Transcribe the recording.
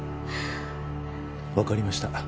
分かりました